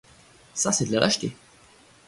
Ça, c'est de la lâcheté.